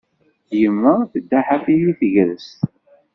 Yemma tedda ḥafi di tegrest.